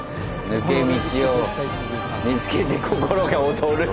抜け道を見つけて心が躍る。